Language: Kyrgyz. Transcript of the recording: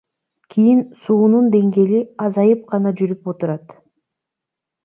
Кийин суунун деңгээли азайып гана жүрүп отурат.